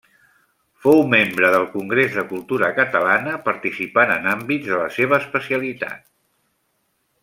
Fou membre del Congrés de Cultura Catalana, participant en àmbits de la seva especialitat.